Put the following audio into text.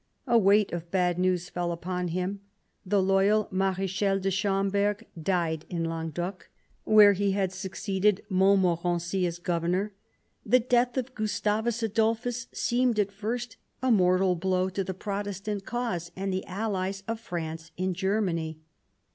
A weight of bad news fell upon him. The loyal Marechal de Schom berg died in Languedoc, where he had succeeded Mont morency as governor. The death of Gustavus Adolphus seemed at first a mortal blow to the Protestant cause and the allies of France in Germany.